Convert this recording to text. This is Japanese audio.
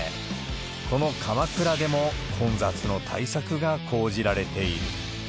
この鎌倉でも混雑の対策が講じられている。